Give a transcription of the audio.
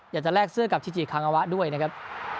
อยากจะแลกเสื้อกับชิชิคางาวะด้วยนะครับ